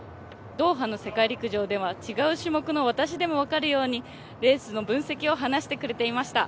ドーハの世界陸上では違う種目の私でも分かるようにレースの分析を話してくれていました。